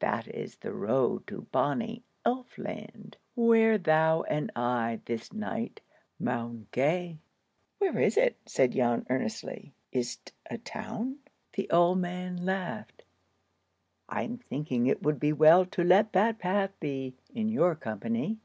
That is the road to bonnie Elf land, Where thou and I this night maun gae." "Where is it?" said Jan, earnestly. "Is't a town?" The old man laughed. "I'm thinking it would be well to let that path be, in your company.